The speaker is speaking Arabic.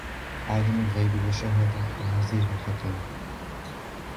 عالم الغيب والشهادة العزيز الحكيم